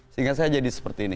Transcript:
sehingga saya jadi seperti ini